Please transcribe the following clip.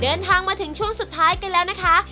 เดินทางมาถึงช่วงสุดท้ายกันแล้วนะคะ